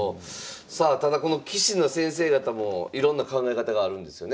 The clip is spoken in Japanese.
さあただこの棋士の先生方もいろんな考え方があるんですよね。